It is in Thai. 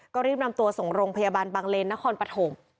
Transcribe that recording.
ก็รีบนำตัวส่งโรงพยาบาลบางเลนนครปฐม